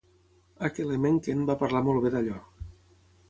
H. L. Mencken va parlar mol bé d'allò.